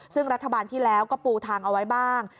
ซึ่งรัฐบาลที่แล้วก็ปูทางเอาไว้บ้าง